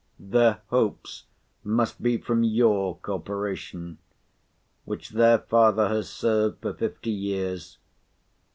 Their hopes must be from your Corporation, which their father has served for fifty years.